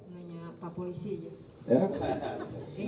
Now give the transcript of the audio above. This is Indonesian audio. nanya pak polisi saja